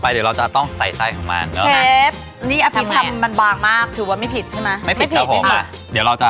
ค่ะแล้วก็จะมาโอเคใส่ไส้เดี๋ยวพิษใส่ได้